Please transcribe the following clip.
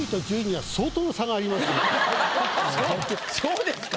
そそうですか？